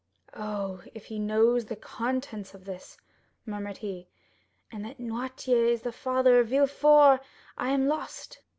"Oh, if he knows the contents of this!" murmured he, "and that Noirtier is the father of Villefort, I am lost!"